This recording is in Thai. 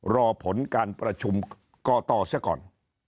รอผลการประชุมก่อต่อซะก่อน